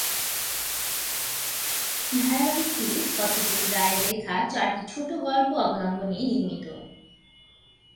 ধারাবাহিকটি সত্যজিৎ রায়ের লেখা চারটি ছোটো গল্প অবলম্বনে নির্মিত।